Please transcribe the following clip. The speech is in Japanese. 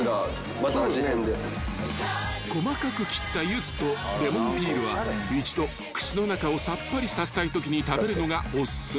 ［細かく切ったユズとレモンピールは一度口の中をさっぱりさせたいときに食べるのがお薦め］